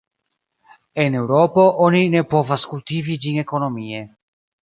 En Eŭropo oni ne povas kultivi ĝin ekonomie.